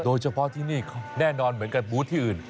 โดยเฉพาะที่นี่แน่นอนเหมือนกับบูธที่อื่น